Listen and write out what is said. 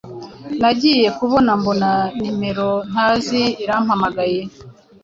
nagiye kubona mbona nimero ntazi irampamagaye